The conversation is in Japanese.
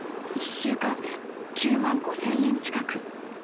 ［１週間で９万５，０００円近く］